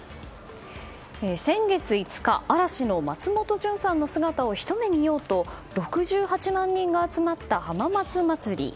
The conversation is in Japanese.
先月５日嵐の松本潤さんの姿をひと目見ようと６８万人が集まった浜松まつり。